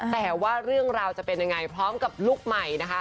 แต่ว่าเรื่องราวจะเป็นยังไงพร้อมกับลุคใหม่นะคะ